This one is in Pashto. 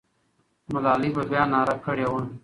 ملالۍ به بیا ناره کړې وه.